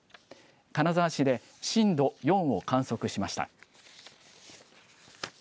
金沢市で震度４を観測しました。